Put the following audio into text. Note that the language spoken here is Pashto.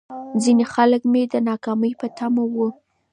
ځيني خلک مې د ناکامۍ په تمه وو.